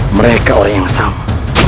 mereka orang yang sama